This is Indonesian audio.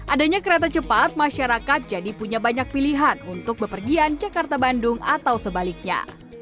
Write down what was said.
adanya kereta cepat masyarakat jadi punya banyak pilihan untuk bepergian jakarta bandung atau sebaliknya